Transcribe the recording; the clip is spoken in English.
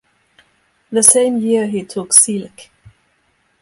The same year he took silk.